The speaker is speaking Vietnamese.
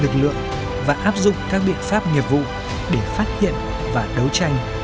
chủ động này